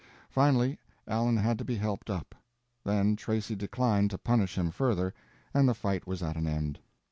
Finally, Allen had to be helped up. Then Tracy declined to punish him further and the fight was at an end.